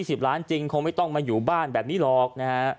สิบล้านจริงคงไม่ต้องมาอยู่บ้านแบบนี้หรอกนะฮะ